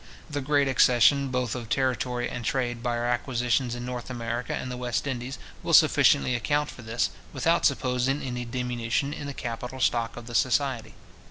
The great accession both of territory and trade by our acquisitions in North America and the West Indies, will sufficiently account for this, without supposing any diminution in the capital stock of the society.